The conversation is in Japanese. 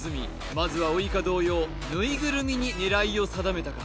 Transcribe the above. まずはウイカ同様ぬいぐるみに狙いを定めたか